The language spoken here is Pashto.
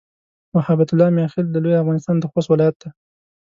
محبت الله "میاخېل" د لوی افغانستان د خوست ولایت دی.